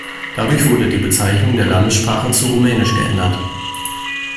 Dadurch wurde die Bezeichnung der Landessprache zu "Rumänisch" geändert.